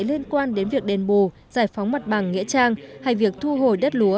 liên quan đến việc đền bù giải phóng mặt bằng nghĩa trang hay việc thu hồi đất lúa